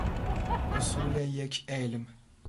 اصول یک علم